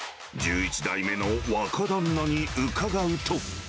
１１代目の若旦那に伺うと。